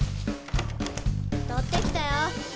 とってきたよ。